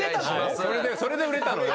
それで売れたのね？